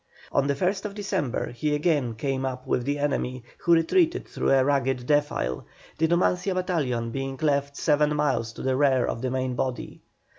On the 1st December he again came up with the enemy, who retreated through a rugged defile, the Numancia battalion being left seven miles to the rear of the main body.